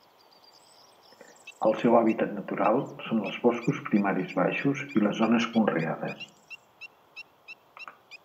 El seu hàbitat natural són els boscos primaris baixos i les zones conreades.